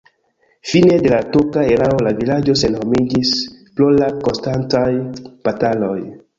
Fine de la turka erao la vilaĝo senhomiĝis pro la konstantaj bataloj.